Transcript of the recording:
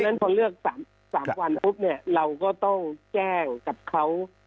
เพราะฉะนั้นพอเลือกสามสามวันปุ๊บเนี้ยเราก็ต้องแจ้งกับเขา